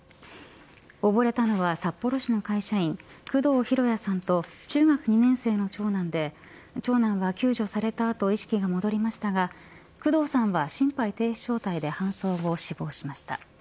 溺れたのは札幌市の会社員工藤博也さんと中学２年生の長男で長男は救助された後意識が戻りましたが工藤さんは心肺停止状態で搬送後、死亡しました。